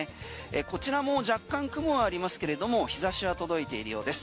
こちらも若干雲ありますけれども日差しは届いているようです。